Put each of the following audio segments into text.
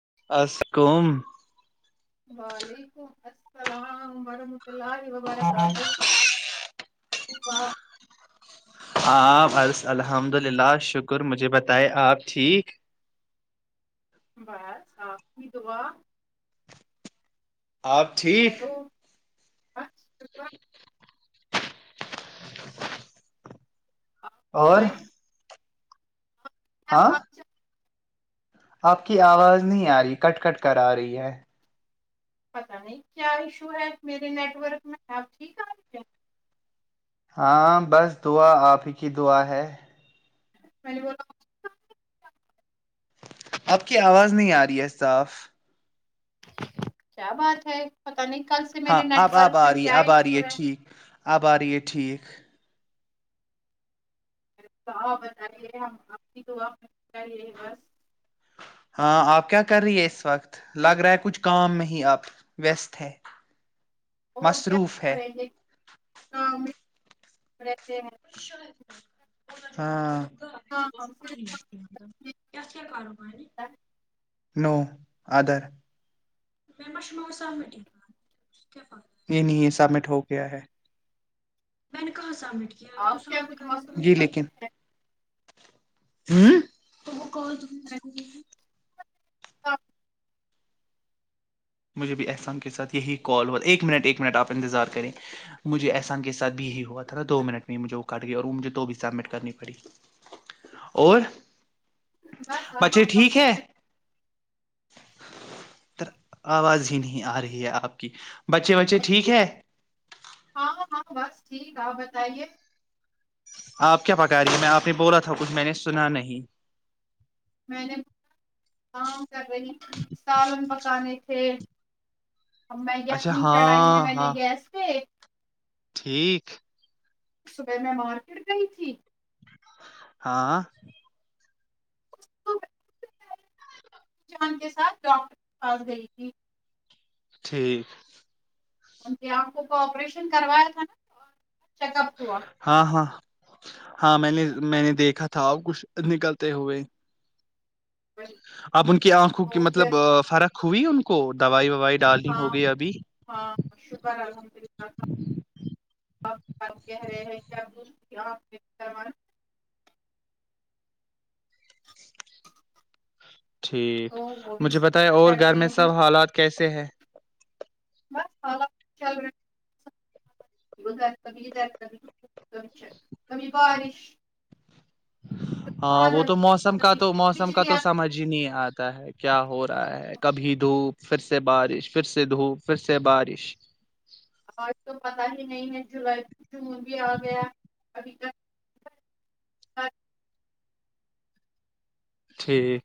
[unintelligible] وعلیکم السلام ورحمۃ اللہ وبرکاتہ ہاں بس الحمد للہ شکر مجھے بتائے آپ ٹھیک بس آپ کی دعا آپ ٹھیک [unintelligible] اور ہاں آپ کی آواز نہیں آ رہی کٹ کٹ کر آ رہی ہے پتہ نہیں کیا ایشو ہے میرے نیٹ ورک میں اب ٹھیک آرہی ہے ہاں بس دعا آپ ہی کی دعا ہے م ب [unintelligible] اب کی آواز نہیں آ رہی ہے صاف کیا بات ہے ہاں اب اب آ رہی ہے اب آ رہی ہے ٹھیک اب آ رہی ہے ٹھیک [inaudible] [unintelligible] ہاں آپ کیا کر رہی ہیں اس وقت لگ رہا ہے کچھ کام میں ہی آپ وست ہے اور کیا مصروف ہے کریں گے [unintelligible] ہاں [unintelligible] نو ادر یہ نہیں یہ سبمٹ ہو گیا ہے میں نے کہاں جی لیکن [unintelligible] [unintelligible] [unintelligible] مجھے بھی احسان کے ساتھ یہی کال ہوا تھا ایک منٹ ایک منٹ آپ انتظار کریں مجھے احسان کے ساتھ بھی یہی ہوا تھا نا دو منٹ میں ہی مجھے وہ کٹ گیا اور مجھے تو بھی سبمٹ کرنی پڑی اور بس اب بچے آپ ہم ٹھیک سے ہے [unintelligible] آواز ہی نہیں آ رہی ہے آپ کی بچے وچے ٹھیک ہے بس ٹھیک آپ بتائیے آپ کیا پکا رہیے میں آپ نے بولا تھا کچھ میں نے سنا نہیں میں نے کام کر رہی سالن پکانے تھے ا میں اچھا یخمی چڑھائی ہے ہاں میں نے ہاں گیس پہ ٹھیک صبح میں مارکیٹ گئی تھی ہاں چان کے ساتھ ڈاکٹر کے پاس گئی تھی ٹھیک جی آپ کو کو آپریشن کروایا تھا نا چیک اپ ہوا ہاں ہاں ہاں میں نے میں نے دیکھا تھا اب کچھ نکلتے ہوئے اب ان کی آنکھوں کی مطلب فرق ہووئی ان کو دوائی و ہاں ہاں شکر الحمد اللہ آپ کہہ رہے ہیں کیا بول آپ ٹھیک مجھے بتائے اور گھر میں سب حالات کیسے سے ہ بس حالات چل رہا ادھر کبدھر کب کمی بارش ہاں وہ تو موسم کا تو موسم کا تو سمجھ ہی نہیں آج ہے کیا ہو رہا ہے کبھی دھوپ پھر سے بارش پھر سے دھوپ پھر سے بارش اور تو ہی نہیں ہے جولائی جون بھی آ گیا ابھی تک ٹھیک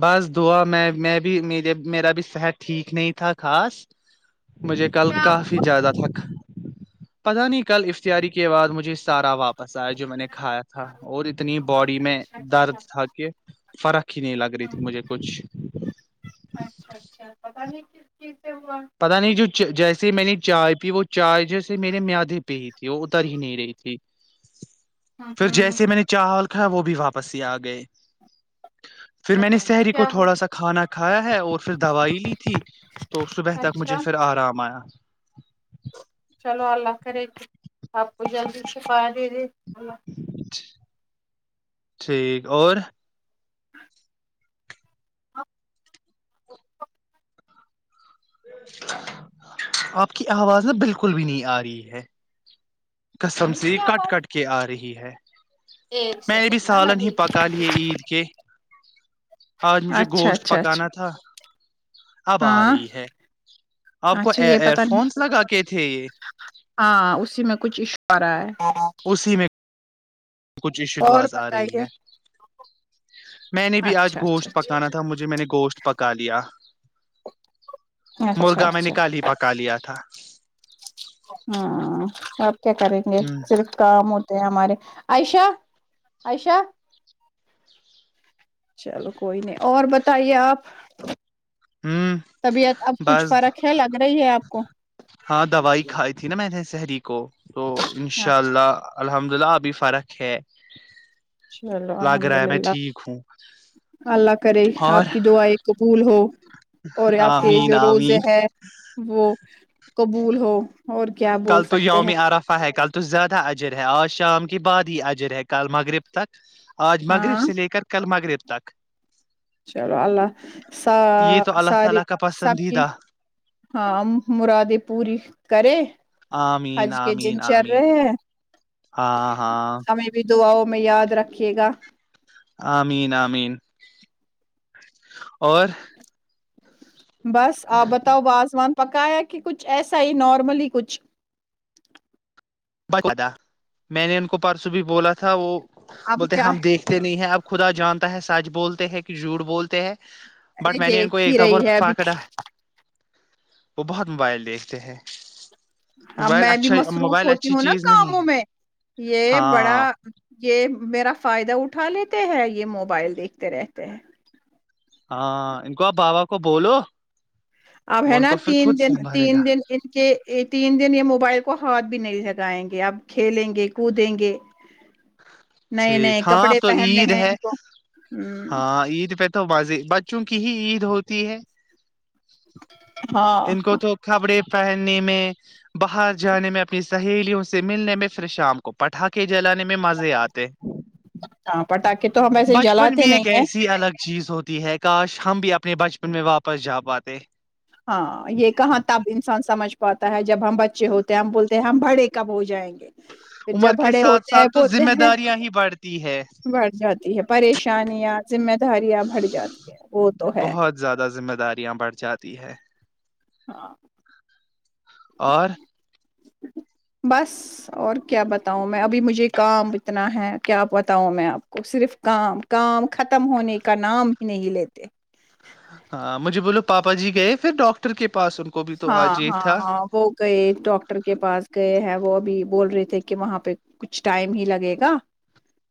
بس دعا میں میں بھی میرے میرا بھی سحٹ ٹھیک نہیں تھا خاص مجھے کل کافی زیادہ تک پتہ نہیں کل افتاری کے بعد مجھے سارا واپس آیا جو میں نے کھایا تھا اور اتنی باڈی میں درد تھا کہ فرق ہی نہیں لگا تھی مجھے کچھ ک ک پتا نہیں جو جیسے میں نے چائے پی وہ چائے جیسے میرے میادی پہ ہی تھی وہ اتر ہی نہیں رہی تھی پھر جیسے میں نے چاول ہے وہ بھی واپس ہی آ گئے پھر میں نے شہری کو تھوڑا سا کھانا کھایا ہے اور پھر دوائی لی تھی تو صبح مجھے پھر آرام آیا اچ چلو اللہ کرے کے آپ کو جلدی سےفا اللہ ٹھیک اور آپ کی آواز ن بالکل بھی نہیں آ رہی ہے کسمز کٹ کٹ کے آ رہی ہے میں نے بھی سالن ہی پکا لیے عید کے [inaudible] آج مجھے اچھا گوشت اچھا اچھا پکانا تھا اب آ ہاں رہی ہے آپ کو اچھا یہ ایئر پتا نہیں فونس لگا کے تھے یہ ہاں اسی میں کچھ اشارہ ہے اسی میں کچھشواز آ رہی ہے میں نے بھی آج اچھا اچھا گوشت پکانا تھا مجھے میں نے گوشت پک کالیا اچھا اچھا مرغا میں اچھا نکالی پکا لیا تھا ہاں آپ کیا کریں گے ہ صرف کام ہمارے عشہ ایشہ چلو کوئی نہیں اور بتائیے آپ ہ طبیعت اب کچھ بس فرق ہے لگ رہی ہے آپ کو ہاں دوائی کھائی تھی نا میں نے شہری کو تو انشاء اللہ الحمد لہ بھی فرق ہے چلو لگ الحمد رہا ہے میں للہ ٹھیک ہوں اللہ کرے اور آپ کی دعائیں قبول ہو اور آپ کے آمین جو روزے آمین ہے وہ قبول ہو اور کیا کل بول تو سکتے یوم ہیں ارافا ہے کل تو زیادہ اجر ہے آج شام کے بعد ہی اجر ہے کال مغرب تک آج مغرب ہاں سے لے کر کل مغرب تک چلو اللہ س یہ تو اللہ ساری تعالی کا سب چز پسندیدہ ہاں مرادیں پوری کرے آ مین آ مین آ مین ہاں ہاں ہاں دعاؤں ہمیں یاد رکھیے گا آمین آمین اور بس آپ بتاؤ بازوان پکایا کہ کچھ ایسا ہی نارملی کچھ بچا میں نے ان کو پرسوں بھی بولا تھا وہ اب بولتے کیا ہم دیکھتے نہیں ہیں اب خدا جانتا ہے سچ بولتے ہیں کہ جھوٹ بولتے ہیں ارے بٹ میں نے ان دیکھ کو ہی ایک دم رہی اور ہے ابھی پکڑا وہ بہت موبائل دیکھتے ہیں اب موبائل میں بھی اچھا مصروف موبائل ہوتی اچھی ہوں نا چیز نہیں کاموں ہے میں یہ بڑا ہاں یہ میرا فائدہ اٹھا لیتے ہیں یہ موبائل دیکھتے رہتے ہیں ہاں ان کو آپ بابا کو بولو اب ہے وہ ان نا کو پھر تین خود دن سنبھالے تین گا دن ان کے تین دن یہ م بائ کو ہاتھ بھی نہیں لگائیں گے اب کھیلیں گے کودیں گے نئے ٹھیک نئے ہاں اب کپڑے تو پہننے عید ہیں ہے ان کو ہ ہاں عید پہ تو وض ب چونکہ ہی عید ہوتی ہے [inaudible] ان کو تو کبڑے پہننے میں باہر جانے میں اپنی سہیلیوں سے ملنے میں پھر شام کو پٹھا کےے جلانے میں مزے آتے ہاں پٹاخے تو ہم ایسے بچپن جلاتے بھی ایک نہیں ہیں ایسی الگ چیز ہوتی ہے کاش ہم بھی اپنے اپنے بچپن میں واپس جا پاتے ہاں یہ کہاں تب انسان سمجھ پاتا ہے جب ہم بچے ہوتے ہیں ہم بولتے ہیں ہم بڑے کب ہو جائیں گے پھر جب عمر کے بھڑے ساتھ ہوتے ہیں ساتھ تو بولتے ذمہ ہیں داریاں ہی بڑھتی ہے بڑھ جاتی ہے پریشانیاں ذمہ داریاں بھ جات بہت زیادہ ذمہ داریاں بڑھ جاتی ہے ہاں اور بس اور کیا بتاؤں میں ابھی مجھے کام اتنا ہے کیا بتاؤں میں آپ کو صرف کام کام ختم ہونے کا نام ہی نہیں لیتے ہاں مجھے بولو پاپا جی گئے پھر ڈاکٹر پر کے پاس ان کو بھی تو ہاں آج ہی ہاں تھا ہاں وہ گئے ڈاکٹر کے پاس گئے ہیں وہ اب بول رہے تھے کہ وہاں پہ کچھ ٹائم ہی لگے گا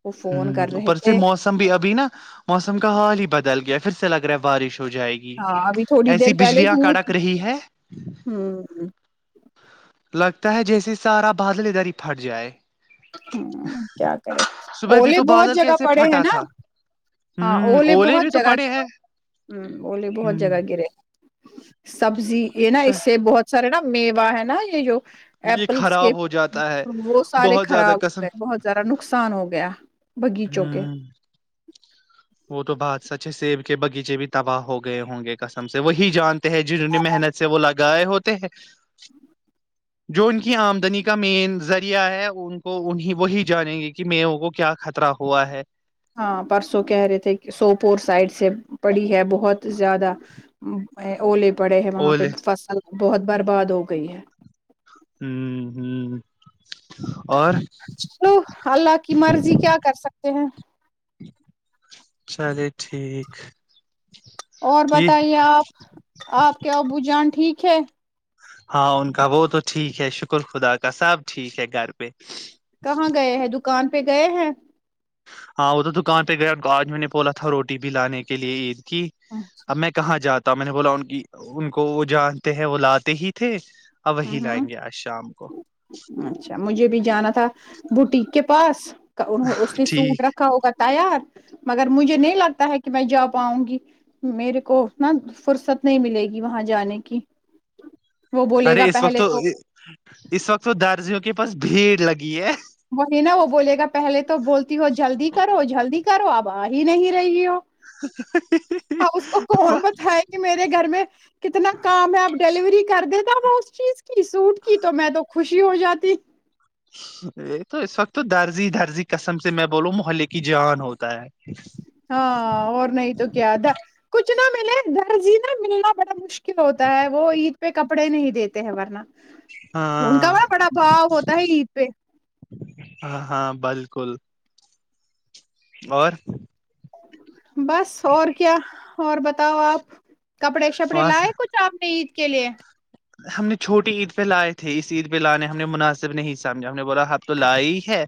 وہ ہ فون کر رہے اوپر سے تھے موسم بھی ابھی نا موسم کا حال ہی بدل گیا پھر سے لگ رہ ہے بارش ہو جائے گی ہاں ابھی تھوڑی ایسی دیر پہلے بجلیاں دھوپ کڑک رہی ہے ہوں لگتا ہے جیسے سارا بادل ا دھر ہی پھٹ جائے ہ کیا کرے صبح بھی اوولے تو بہت بادل جگہ کیسے پڑے ہیں پھٹا نا تھا ہاں ہوں اولے بھی بہت تو جگہ پڑے ہیں ہ بلیے بہت جگہ گرے سبزی یہ نا ہ اس سے بہت سارے ج نا میوا ہے نا یہیگ یہ ایپلس کے خراب ہو جاتا ہے وہ سارے بہت زیادہ خراب ہو کسم گئے بہت زیادا نقصان ہو گیا ہ بغیچوں کے وہ تو بات سچ ہے سیب کے باغیچے بھی تباہ ہو گئے ہوں گے کسم سے وہی جانتے ہیں جنہوں نے محنت سے وہ لگائے ہوتے ہیں جو ان کی آمدنی کا مین ذریعہ ہے ان کو انیں وہی جانیں گے کہ موں کو کیا خطرہ ہوا ہے ہاں پرسوں کہہ رہے تھے کہ سوپور سائڈ سے پڑی ہے بہت زیادہ اوولے پڑے ہے وہاں پہ اولے فصل بہت برباد ہو گئی ہے ہوں ہ چلو اللہ کی مرضی کیا کر سکتے ہیں چلے ٹھیک اور یہ بتائیے آپ آپ کے ابو جان ٹھیک ہے ہاں ان کا وہ تو ٹھیک ہے شکر خدا کا سب ٹھیک ہے گھر پہ کہاں گئے ہیں دکھ دکان پہ گئے ہیں ہاں وہ تو دکان پہ گیا آج میں نے بولا تھا روٹی بھی لانے کے لیے عید کہ اچھا اب میں کہاں جاتا میں نے بولا ان کی ان کو وہ جانتے ہیں وہ لاتے ہی تھے ا وہی ہ لائیں گے آج شام کو اچھا مجھے بھی جانا تھا بوٹیک کے پاس اس نے سوٹ ٹھیک رکھا ہوگا تیار مگر مجھے نہیں لگتا ہے کہ میں جا پاؤں گی میرے کو اتنا فرصت نہیں ملے گی وہاں جانے کی وہ بولے گا ارے اس وقت تو اس وقت تو دارجیوں کے پاس بھیڑ لگی ہے وہی نا وہ بولے گا پہلے تو بولتی ہو جلدی کرو جلدی کرو آب آج یہ نہیں رہی ہو اپ اس کو کون بتائ کہ میرے گھر میں کتنا کام ہے اب ڈیلیوری کر دیتا وہ اس چیز کی سوٹ کی تو میں تو خوشی ہو جاتی یہ تو اس وقت تو درزی درزی قسم سے میں بولوں محلے کی جان ہوتا ہے ہاں اور نہیں تو کیا تھا کچھ ملے درجی ملنا بڑا مشکل ہوتا ہے وہ عید پہ کپڑے نہیں دیتے ہیں ورنہ ان کا ہاں بڑ بڑا بھاؤ ہوتا ہے گت پہ ہاں ہاں بالکل اور بس اور کیا اور بتاؤ آپ کپڑے شپڑے وہاں لائے سے کچھ آپ نے کے لیے ہم نے چھوٹی عید پہ لائے تھے اس عید پہ لانے ہم نے مناسب نہیں سمجھا ہم نے بولا آپ تو لائی ہی ہے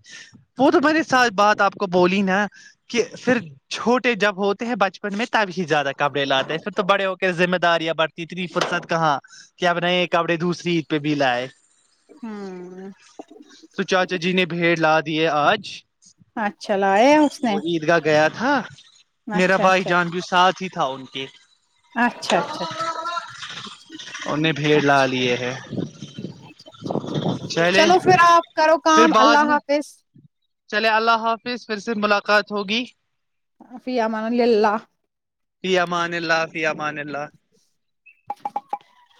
وہ تو مے ساتھ بات آپ کو بولی نا کہ پھر چھوٹے جب ہوتے ہیں بچپن میں تب ہی زیادہ کپڑے لاتے ہیں پھر تو بڑے ہو کے ذمہ داریاں ب تتری پرساد کہاں ب نہیں کپےسے فری پہ بھی لائے ہوں تو چاچا جی نے بھیڑ لا دیے آج اچھا لایا ہیں اس نے ہاں میرا اچھا بھائی اچھا جان بھی ساتھ ہی تھا ان کے اچھا اچھا ان نے بھیڑ لا اچھا لیے ہے چلے چلو پھر آپ کرو پھر کام بعد اللہ میں حافظ چلے اللہ حافظ پھر سے ملاقات ہوگی ف امن اللہ فی امان اللہ امان اللہ [unintelligible]